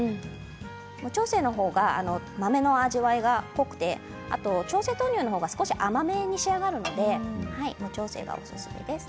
無調整のほうが豆の味わいが濃くて調製豆乳のほうが少し甘めに仕上がるので無調整がおすすめです。